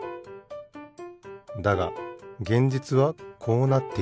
だが現実はこうなっている。